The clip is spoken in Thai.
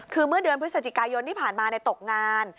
คือเมื่อเดือนพฤศจิกายนที่ผ่านมาตกงาน